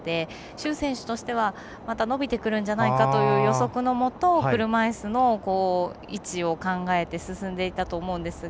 朱選手としては伸びてくるんじゃないかという予測のもと車いすの位置を考えて進んでいたと思いますが。